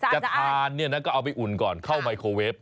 จะทานก็เอาไปอุ่นก่อนเข้าไมโครเวฟ